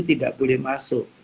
tidak boleh masuk